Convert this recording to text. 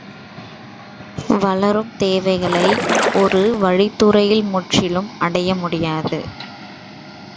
வளரும் தேவைகளை ஒரு வழித்துறையில் முற்றிலும் அடைய முடியாது.